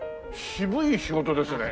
渋い仕事ですね。